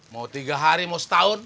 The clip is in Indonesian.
mau tiga hari mau setahun